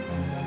ya pak adrian